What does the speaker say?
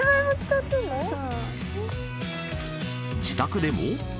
自宅でも。